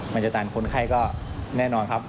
มันจะตันคนไข้ก็แน่นอนครับ